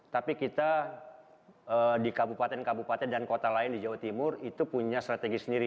tapi kita di kabupaten kabupaten dan kota lain di jawa timur itu punya strategi sendiri